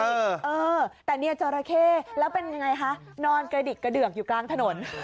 เออนี่จราเผ้แล้วกันไงนอนกระดิกกระเดื่องอยู่กลางถนน